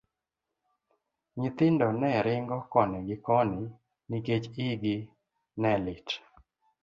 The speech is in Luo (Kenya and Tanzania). Nyithindo ne ringo koni gi koni nikech igi ne lit.